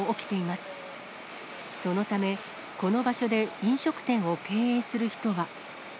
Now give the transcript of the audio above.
そのため、この場所で飲食店を経営する人は。